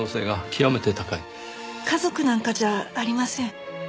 家族なんかじゃありません。